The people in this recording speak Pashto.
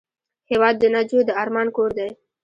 هېواد د نجو د ارمان کور دی.